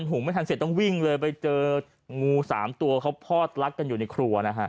หุงไม่ทันเสร็จต้องวิ่งเลยไปเจองูสามตัวเขาพอดลักกันอยู่ในครัวนะฮะ